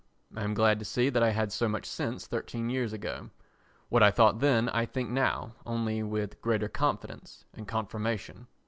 I am glad to see that I had so much sense thirteen years ago. What I thought then, I think now, only with greater confidence and confirmation.